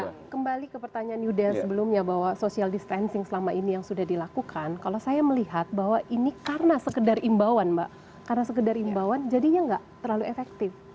nah kembali ke pertanyaan yudha sebelumnya bahwa social distancing selama ini yang sudah dilakukan kalau saya melihat bahwa ini karena sekedar imbauan mbak karena sekedar imbauan jadinya nggak terlalu efektif